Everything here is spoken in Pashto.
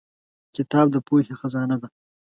کتاب د پوهې خزانه ده.